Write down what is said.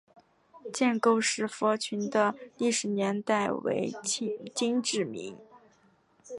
建沟石佛群的历史年代为金至明。